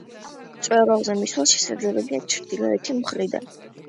მწვერვალზე მისვლა შესაძლებელია ჩრდილოეთი მხრიდან.